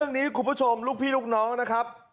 คุณผู้ชมลูกพี่ลูกน้องนะครับ